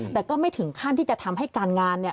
แต่ก็ไม่ถึงขั้นที่จะทำให้การงานเนี่ย